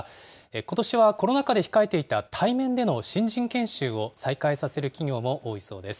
ことしはコロナ禍で控えていた対面での新人研修を再開させる企業も多いそうです。